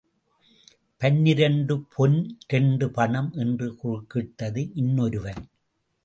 பனிரெண்டு பொன் இரண்டு பணம் என்று குறுக்கிட்டது இன்னொருவன்.